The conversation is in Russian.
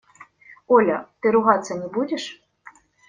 – Оля, ты ругаться не будешь?